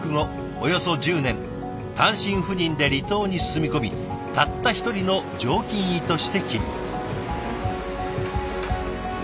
およそ１０年単身赴任で離島に住み込みたった一人の常勤医として勤務。